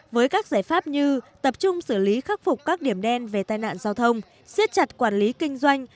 với các giải pháp như tập trung xử lý khắc phục các điểm đen về tai nạn giao thông siết chặt quản lý kinh doanh